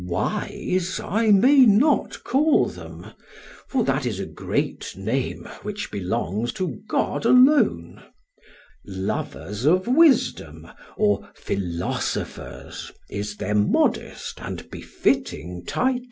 SOCRATES: Wise, I may not call them; for that is a great name which belongs to God alone, lovers of wisdom or philosophers is their modest and befitting title.